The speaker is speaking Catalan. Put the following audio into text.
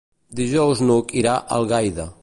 Dijous n'Hug irà a Algaida.